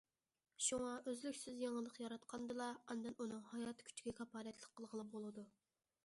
شۇڭا ئۈزلۈكسىز يېڭىلىق ياراتقاندىلا، ئاندىن ئۇنىڭ ھاياتىي كۈچىگە كاپالەتلىك قىلغىلى بولىدۇ.